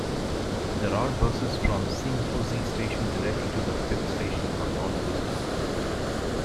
There are buses from Shin-Fuji Station directly to the fifth Station on Mount Fuji.